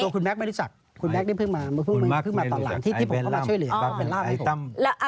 คุณแม็กซไม่รู้จักคุณแม็กซนี่เพิ่งมาเพิ่งมาตอนหลังที่ผมเข้ามาช่วยเหลือ